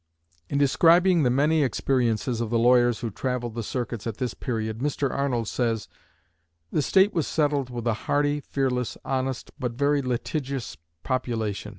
In describing the many experiences of the lawyers who travelled the circuits at this period, Mr. Arnold says: "The State was settled with a hardy, fearless, honest, but very litigious population.